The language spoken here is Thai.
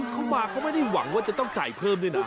เขามาเขาไม่ได้หวังว่าจะต้องจ่ายเพิ่มด้วยนะ